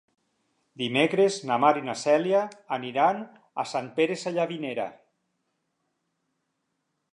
Dimecres na Mar i na Cèlia aniran a Sant Pere Sallavinera.